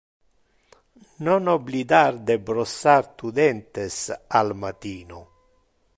Non oblidar de brossar tu dentes al matino.